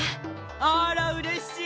あらうれしい。